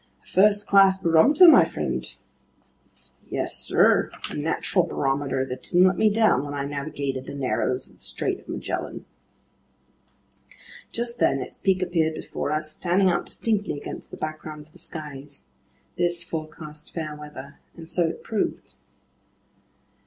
"A first class barometer, my friend." "Yes, sir, a natural barometer that didn't let me down when I navigated the narrows of the Strait of Magellan." Just then its peak appeared before us, standing out distinctly against the background of the skies. This forecast fair weather. And so it proved.